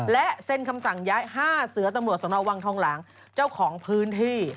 และเซ็นคำสั่งย้าย๕เสือตำรวจสนวังทองหลางเจ้าของพื้นที่